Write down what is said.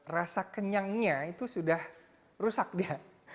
rasa kenyangnya itu sudah rusak dia dia tidak pernah lagi merasa kenyang ya tapi ini juga mungkin